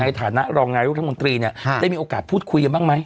ในฐานะรองนายุทธมนตรีเนี่ยได้มีโอกาสพูดคุยกันบ้างไหม